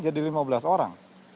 jadi lima belas orang